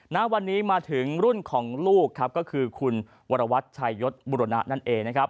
ณวันนี้มาถึงรุ่นของลูกก็คือคุณวรวัชยศบุรณานั่นเอง